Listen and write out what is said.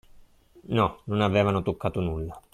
No, non avevano toccato nulla.